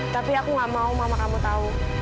tapi aku gak mau mama kamu tahu